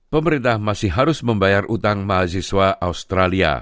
pemerintah masih harus membayar utang mahasiswa australia